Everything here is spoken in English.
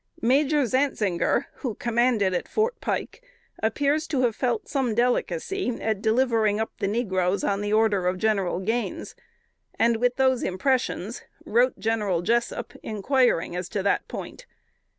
Major Zantzinger, who commanded at Fort Pike, appears to have felt some delicacy at delivering up the negroes on the order of General Gaines, and, with those impressions, wrote General Jessup, inquiring as to that point.